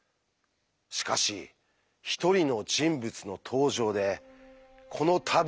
しかし一人の人物の登場でこのタブーが打ち破られます。